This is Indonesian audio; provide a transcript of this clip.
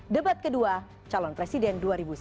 debat kedua calon presiden dua ribu sembilan belas